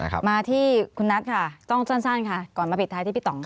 มาที่คุณนัทค่ะต้องสั้นค่ะก่อนมาปิดท้ายที่พี่ต่องค่ะ